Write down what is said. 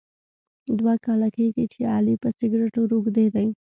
دوه کاله کېږي چې علي په سګرېټو روږدی دی.